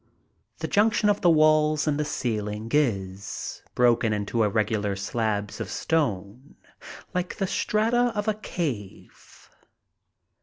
The junction of the walls and the ceiling is, broken into irregular slabs of stone, like the strata of a cave.